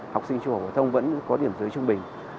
học sinh trung học phổ thông vẫn có điểm dưới trung bình